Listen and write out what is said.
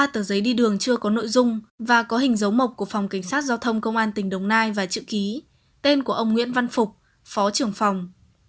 ba tờ giấy đi đường chưa có nội dung và có hình dấu mộc của phòng cảnh sát giao thông công an tỉnh đồng nai và chữ ký tên của ông nguyễn văn phục phó trưởng phòng